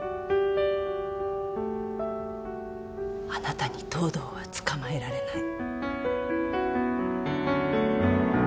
あなたに藤堂は捕まえられない。